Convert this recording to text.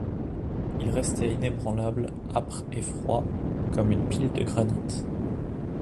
Il restait inébranlable, âpre et froid comme une pile de granit.